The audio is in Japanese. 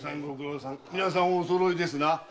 皆さんおそろいですな？